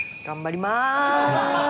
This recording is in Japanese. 頑張ります！